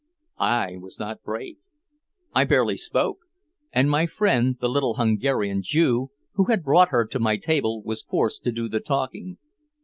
I was not brave, I barely spoke, and my friend the little Hungarian Jew who had brought her to my table was forced to do the talking.